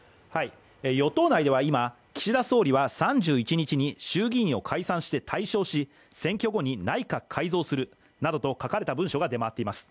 与党内では今、岸田総理は３１日に衆議院を解散して大勝し選挙後に内閣改造するなどと書かれた文書が出回っています。